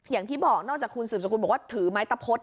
อย่างที่บอกนอกจากคุณสืบสกุลบอกว่าถือไม้ตะพด